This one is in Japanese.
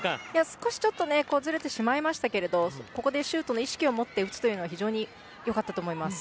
少しずれてしまいましたけれどここでシュートの意識を持って打つというのは良かったと思います。